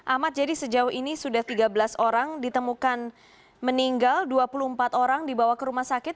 ahmad jadi sejauh ini sudah tiga belas orang ditemukan meninggal dua puluh empat orang dibawa ke rumah sakit